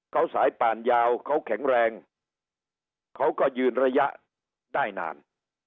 เขาสายป่านยาวเขาแข็งแรงเขาก็ยืนระยะได้นาน